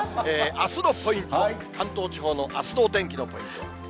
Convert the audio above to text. あすのポイント、関東地方のあすのお天気のポイント。